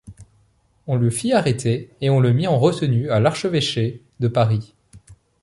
On le fit arrêter et on le mit en retenue à l’archevêché de Paris.